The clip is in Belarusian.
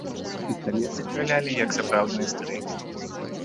Пісталеты стралялі, як сапраўдныя стрэльбы.